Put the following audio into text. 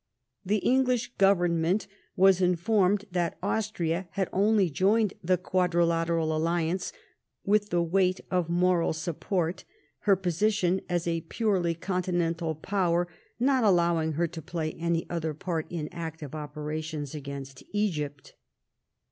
The English Government was informed that Austria had only joined the Quadrilateral Alliance with the ireight of moral support, her position as a purely conti nental Power not allowing her to play any other part in active operations against Egypt.